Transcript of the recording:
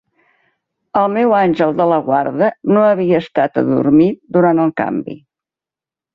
El meu àngel de la guarda no havia estat adormit durant el canvi.